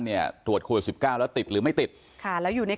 เนี่ยตรวจโควิดสิบเก้าแล้วติดหรือไม่ติดค่ะแล้วอยู่ใน